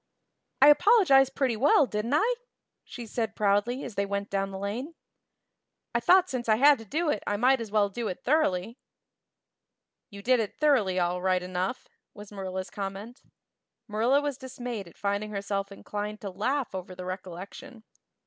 "I apologized pretty well, didn't I?" she said proudly as they went down the lane. "I thought since I had to do it I might as well do it thoroughly." "You did it thoroughly, all right enough," was Marilla's comment. Marilla was dismayed at finding herself inclined to laugh over the recollection.